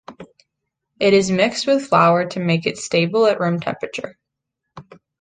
It is mixed with flour to make it stable at room temperature.